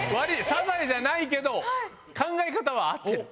サザエじゃないけど考え方は合ってる。